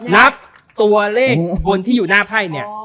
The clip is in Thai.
นับตัวเลขบนที่อยู่หน้าไพ่เนี่ย